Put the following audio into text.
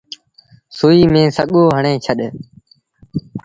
سُئيٚ ميݩ سڳو هڻي ڇڏ۔